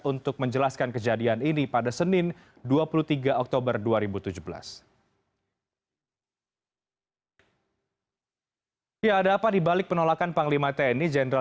untuk menjelaskan kejadian ini pada senin dua puluh tiga oktober dua ribu tujuh belas